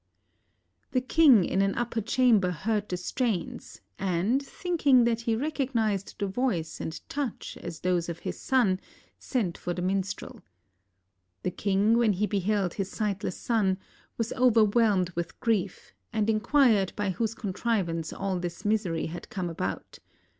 95 INDIA The king in an upper chamber heard the strains, and, thinking that he recognized the voice and touch as those of his son, sent for the minstrel. The king, when he be held his sightless son, was overv» hehned vdih grief, and inquired by whose contrivance all this miser} had come about.